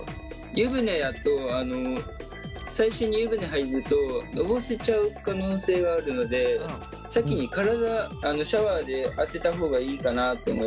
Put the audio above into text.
湯船だとあの最初に湯船入るとのぼせちゃう可能性があるので先に体あのシャワーで当てた方がいいかなって思いました。